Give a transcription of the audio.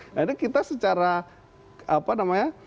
akhirnya kita secara apa namanya